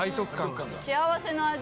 幸せの味。